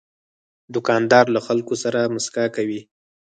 دوکاندار له خلکو سره مسکا کوي.